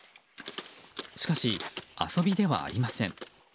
しかし、遊びではありません。